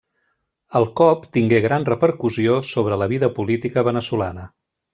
El cop tingué gran repercussió sobre la vida política veneçolana.